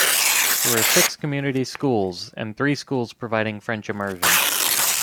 There are six community schools, and three schools providing French immersion.